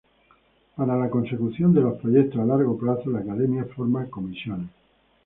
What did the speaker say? Para la consecución de los proyectos a largo plazo, la Academia forma Comisiones.